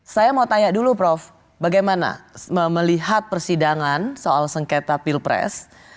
saya mau tanya dulu prof bagaimana melihat persidangan soal sengketa pilpres